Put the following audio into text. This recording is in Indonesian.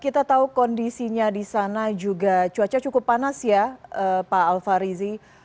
kita tahu kondisinya di sana juga cuaca cukup panas ya pak alfarizi